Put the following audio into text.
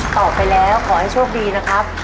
ต่อไปแล้วขอให้โชคดีนะครับ